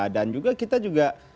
dan juga kita juga